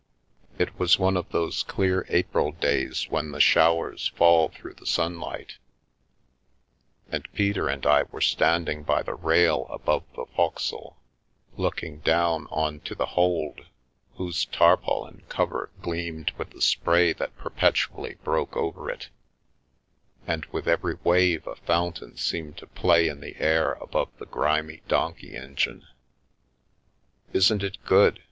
It was one of those Clear April days when the showers fall through the sun light, and Peter and I were standing by the rail above the focVle, looking down on to the hold, whose tarpaulin cover gleamed with the spray that perpetually broke over it, and with every wave a fountain seemed to play in the air above the grimy donkey engine. " Isn't it good